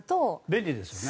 便利ですよね。